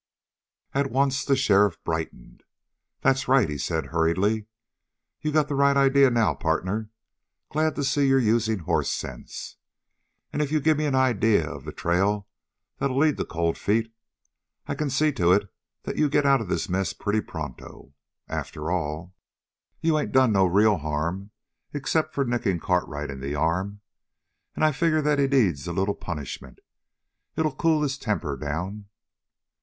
At once the sheriff brightened. "That's right," he said hurriedly. "You got the right idea now, partner. Glad to see you're using hoss sense. And if you gimme an idea of the trail that'll lead to Cold Feet, I can see to it that you get out of this mess pretty pronto. After all, you ain't done no real harm except for nicking Cartwright in the arm, and I figure that he needs a little punishment. It'll cool his temper down."